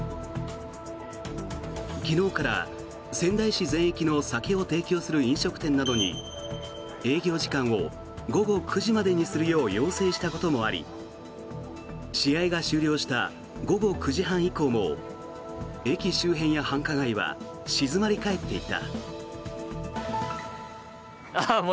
昨日から仙台市全域の酒を提供する飲食店などに営業時間を午後９時までにするよう要請したこともあり試合が終了した午後９時半以降も駅周辺や繁華街は静まり返っていた。